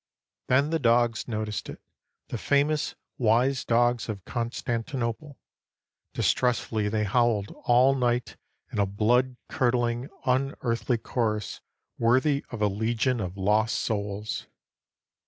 Then the dogs noticed it, the famous, wise dogs of Constantinople. Distressfully they howled all night in a blood curdling, unearthly chorus worthy of a legion of lost souls.